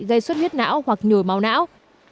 gây xuất huyết não hoặc nhồi máu não